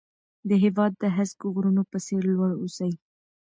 د هېواد د هسک غرونو په څېر لوړ اوسئ.